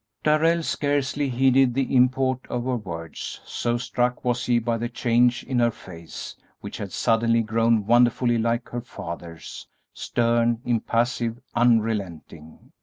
Darrell scarcely heeded the import of her words, so struck was he by the change in her face, which had suddenly grown wonderfully like her father's, stern, impassive, unrelenting.